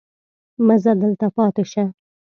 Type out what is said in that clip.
مه ځه دلته پاتې شه.